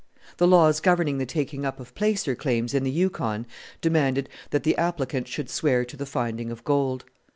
The laws governing the taking up of placer claims in the Yukon demanded that the applicant should swear to the finding of gold.